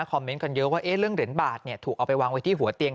เมนต์กันเยอะว่าเรื่องเหรียญบาทถูกเอาไปวางไว้ที่หัวเตียง